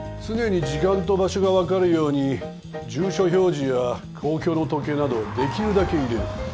常に時間と場所が分かるように住所表示や公共の時計などをできるだけ入れる。